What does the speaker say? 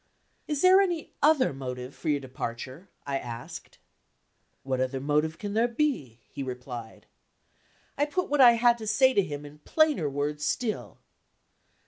"Is there any other motive for your departure?" I asked. "What other motive can there be?" he replied. I put what I had to say to him in plainer words still.